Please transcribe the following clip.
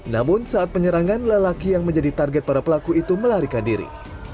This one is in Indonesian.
namun saat penyerangan lelaki yang menjadi target para pelaku itu melarikan diri